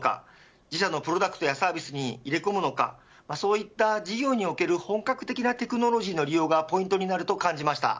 自社のプロダクトやサービスに入れ込むのかそういった事業における本格的なテクノロジーの利用がポイントになると感じました。